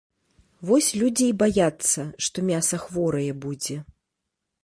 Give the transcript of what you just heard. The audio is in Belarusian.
Вось людзі і баяцца, што мяса хворае будзе.